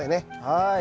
はい。